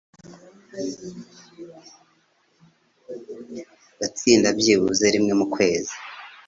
Ndasinda byibuze rimwe mu kwezi